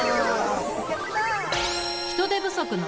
やった！